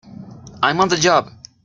I'm on the job!